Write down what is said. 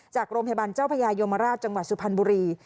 จากโรงพยาบาลเจ้าพญายมราชจังหวัดสุพรรณบุรี